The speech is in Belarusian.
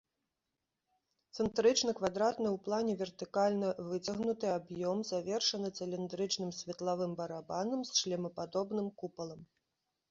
Цэнтрычны квадратны ў плане вертыкальна выцягнуты аб'ём завершаны цыліндрычным светлавым барабанам з шлемападобным купалам.